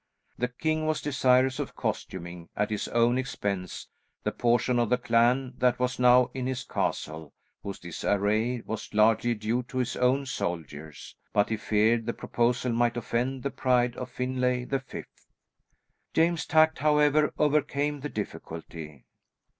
The king was desirous of costuming, at his own expense, the portion of the clan that was now in his castle, whose disarray was largely due to his own soldiers, but he feared the proposal might offend the pride of Finlay the Fifth. James's tact, however, overcame the difficulty.